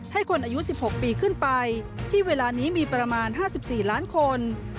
ให้คนอายุ๑๖ปีขึ้นไปที่เวลานี้มีประมาณ๕๔ล้านคน